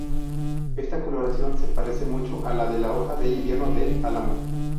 Esta coloración se parece mucho a la de la hoja de invierno del álamo.